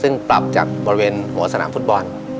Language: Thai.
ซึ่งปรับจากบริเวณหัวสนามฟุตบอล